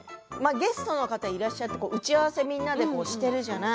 ゲストの方いらっしゃって打ち合わせみんなでしてるじゃない？